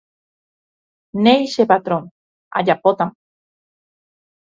Néi che patrón, ajapótama.